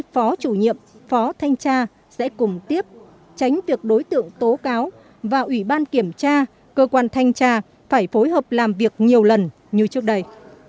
phó chủ nhiệm phó thanh tra sẽ cùng tiếp tránh việc đối tượng tố cáo và ủy ban kiểm tra cơ quan thanh tra phải phối hợp làm việc nhiều lần như trước đây